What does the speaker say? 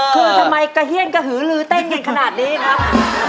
คือทำไมกระเฮียนกระหือลือเต้นกันขนาดนี้ครับ